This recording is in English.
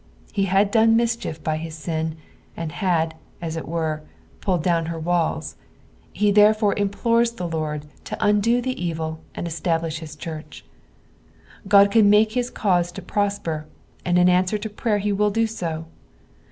He had done miacnief by his sin, and hftd, as it were, pulled down her walla ; he, therefore, implores the Lord to undo the evil, and establish his church. God can make his cause to prosper, and in answer to prayer he wilt do so.